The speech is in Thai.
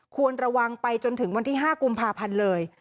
ควรระวังไปจนถึงวันที่๕กุมภาพันธ์เลย